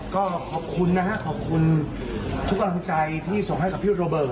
ก็ขอบคุณนะฮะขอบคุณทุกกำลังใจที่ส่งให้กับพี่โรเบิร์ต